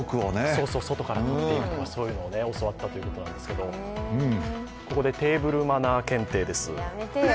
外から使っていくとか、そういうことを教わったということなんですがここでテーブルマナー検定です。